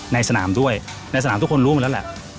ในสนามด้วยในสนามทุกคนรู้มาแล้วแหละ